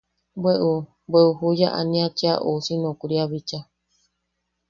Bwe u... bwe juya ania cheʼa ousi nokria bicha.